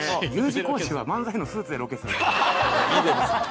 Ｕ字工事は漫才のスーツでロケするから。